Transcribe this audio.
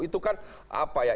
itu kan apa ya